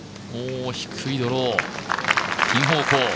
低いドロー、ピン方向。